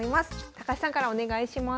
高橋さんからお願いします。